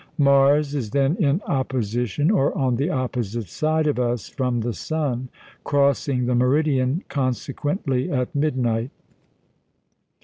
Mars is then "in opposition," or on the opposite side of us from the sun, crossing the meridian consequently at midnight.